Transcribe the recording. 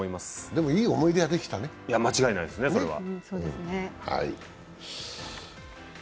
でも、いい思い出ができたね間違いないですね、それは。